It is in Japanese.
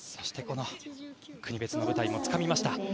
国別の舞台もつかみました。